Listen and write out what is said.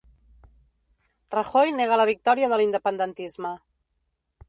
Rajoy nega la victòria de l'independentisme